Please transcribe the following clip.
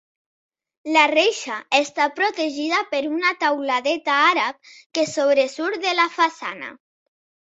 La reixa està protegida per una teuladeta àrab que sobresurt de la façana.